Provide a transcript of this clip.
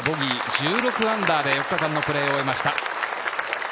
−１６で４日間のプレーを終えました。